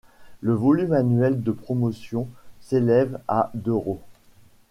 Le volume annuel de promotion s'élève à d'euros.